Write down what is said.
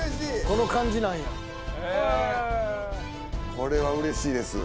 これはうれしいです。